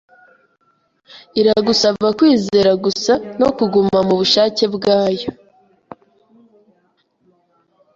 Iragusaba kwizera gusa no kuguma mu bushake bwayo.